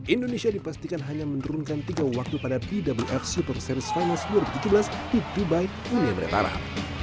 indonesia dipastikan hanya menurunkan tiga waktu pada bwf super series finals dua ribu tujuh belas di dubai uni emirat arab